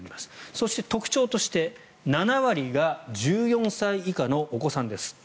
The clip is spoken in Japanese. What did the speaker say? そして特徴として７割が１４歳以下のお子さんです。